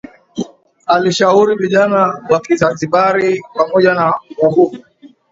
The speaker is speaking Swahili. Aliwashauri vijana wa kinzanzibari pamoja na wavuvi